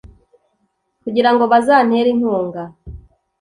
kugira ngo bazantere inkunga